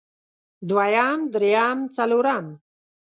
دويم درېيم څلورم